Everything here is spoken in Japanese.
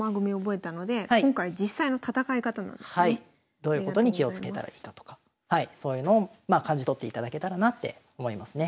どういうことに気をつけたらいいだとかそういうのを感じ取っていただけたらなって思いますね。